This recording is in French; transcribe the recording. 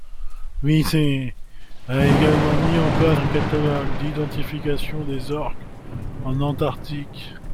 Visser a également mis en place un catalogue d'identification des orques en Antarctique.